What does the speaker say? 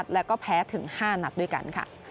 และแพ้ถึง๕นัดด้วยกัน